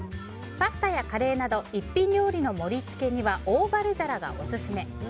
パスタやカレーなど一品料理の盛り付けにはオーバル皿がオススメ。